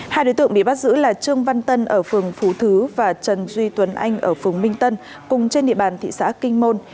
hai đối tượng bị bắt giữ là trương văn tân ở phường phú thứ và trần duy tuấn anh ở phường minh tân cùng trên địa bàn thị xã kinh môn